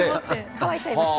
乾いちゃいました。